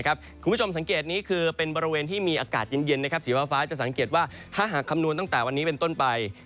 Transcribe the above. คุณผู้ชมสังเกตนี้คือเป็นบริเวณที่มีอากาศเย็นสีฟ้าจะสังเกตว่าถ้าหากคำนวณตั้งแต่วันนี้เป็นต้นไป